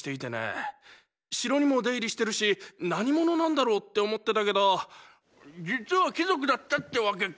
城にも出入りしてるし何者なんだろうって思ってたけど実は貴族だったってわけか。